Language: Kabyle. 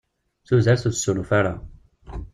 Tudert ur tessuruf ara.